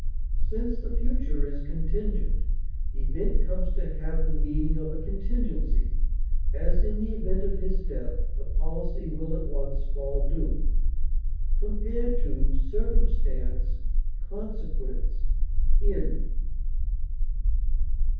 Since the future is contingent, event comes to have the meaning of a contingency; as, in the event of his death, the policy will at once fall due. Compare CIRCUMSTANCE; CONSEQUENCE; END.